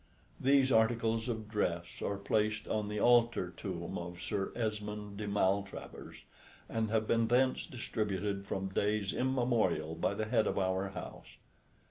These articles of dress are placed on the altar tomb of Sir Esmoun de Maltravers, and have been thence distributed from days immemorial by the head of our house.